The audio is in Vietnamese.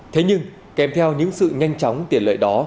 thế nhưng kèm theo những sự nhanh chóng tiện lợi đó